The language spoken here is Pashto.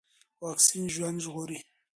واکسين ژوند ژغوري.